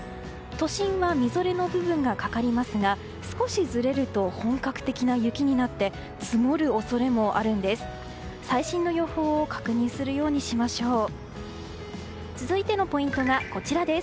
都心はみぞれの部分がかかりますが少しずれると本格的な雪になって積もる恐れもあるんです。